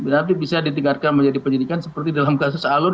berarti bisa ditingkatkan menjadi penyidikan seperti dalam kasus alun